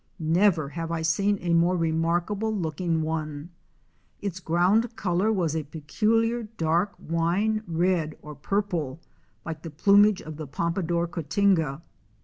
Never have I seen a more remarkable looking one. Its ground color was a peculiar dark wine red or purple, like the plumage of the Pompadour Cotinga.